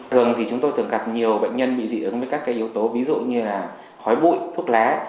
thường thì chúng tôi thường gặp nhiều bệnh nhân bị dị ứng với các yếu tố ví dụ như là khói bụi thuốc lá